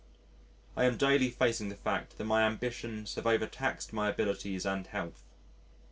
I am daily facing the fact that my ambitions have overtaxed my abilities and health.